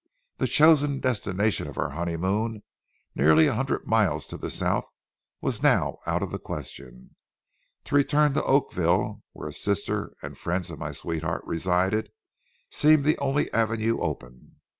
The chosen destination of our honeymoon, nearly a hundred miles to the south, was now out of the question. To return to Oakville, where a sister and friends of my sweetheart resided, seemed the only avenue open.